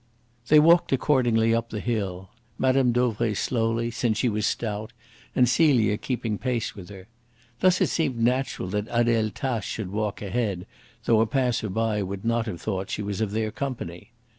They walked accordingly up the hill, Mme. Dauvray slowly, since she was stout, and Celia keeping pace with her. Thus it seemed natural that Adele Tace should walk ahead, though a passer by would not have thought she was of their company.